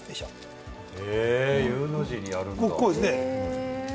Ｕの字にやるんだ。